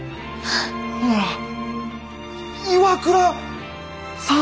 ほなら岩倉さん？